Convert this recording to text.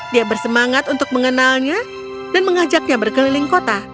dia bersemangat untuk mengenalnya dan mengajaknya berkeliling kota